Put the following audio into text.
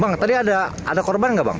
bang tadi ada korban nggak bang